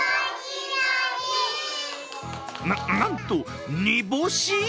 な、なんと煮干し。